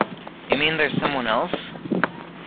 You mean there's someone else?